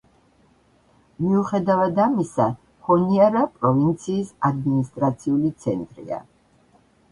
მიუხედავად ამისა ჰონიარა პროვინციის ადმინისტრაციული ცენტრია.